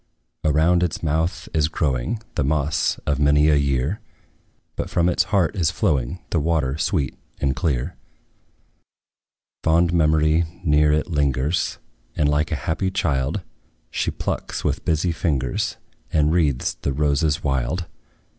Around its mouth is growing The moss of many a year; But from its heart is flowing The water sweet and clear. Fond memory near it lingers, And, like a happy child, She plucks, with busy fingers, And wreathes the roses wild.